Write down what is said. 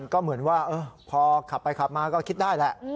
ก็เหมือนว่าพอขับไปขับมาก็คิดได้แหละ